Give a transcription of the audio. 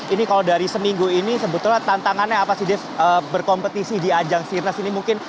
ini kalau dari seminggu ini sebetulnya tantangannya apa sih dev berkompetisi di ajang sirnas ini mungkin